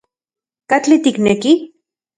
¿Katli tikneki?